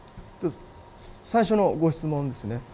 最初のご質問ですね。